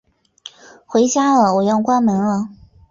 回家啦，我要关门了